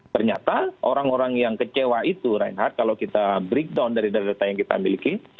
ternyata orang orang yang kecewa itu reinhardt kalau kita breakdown dari data data yang kita miliki